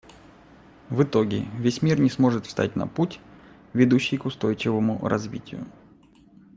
В итоге весь мир не сможет встать на путь, ведущий к устойчивому развитию.